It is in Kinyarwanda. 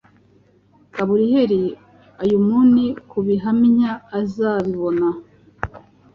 Gaburiyeli, uyumuni kubihamya uzabibona